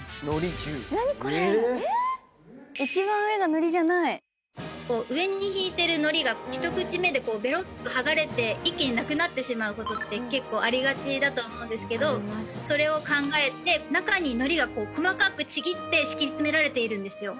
何これ⁉上に敷いてるのりが一口目でべろっと剥がれて一気になくなってしまうことって結構ありがちだと思うんですがそれを考えて中にのりが細かくちぎって敷き詰められているんですよ。